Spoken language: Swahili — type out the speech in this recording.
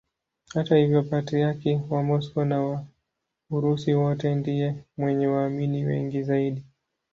Hata hivyo Patriarki wa Moscow na wa Urusi wote ndiye mwenye waamini wengi zaidi.